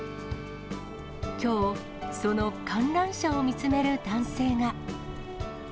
きょう、その観覧車を見つめる男性が。